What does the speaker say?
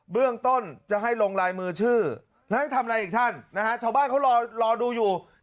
เรื่องต้นจะให้ลงลายมือชื่อแล้วให้ทำอะไรอีกท่านนะฮะชาวบ้านเขารอดูอยู่